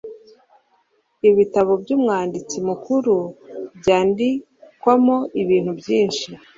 ibitabo by'umwanditsi mukuru byandikwamo ibintu byinshi